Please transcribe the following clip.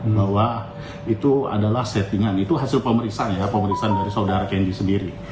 bahwa itu adalah settingan itu hasil pemeriksaan ya pemeriksaan dari saudara kendi sendiri